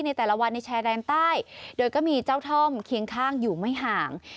แต่ละวันในชายแดนใต้โดยก็มีเจ้าท่อมเคียงข้างอยู่ไม่ห่าง